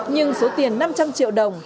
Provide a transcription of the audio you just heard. nhưng số tiền năm trăm linh triệu đồng